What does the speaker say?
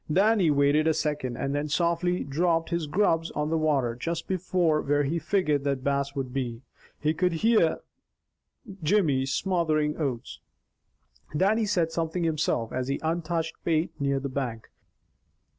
Dannie waited a second, and then softly dropped his grubs on the water just before where he figured the Bass would be. He could hear Jimmy smothering oaths. Dannie said something himself as his untouched bait neared the bank.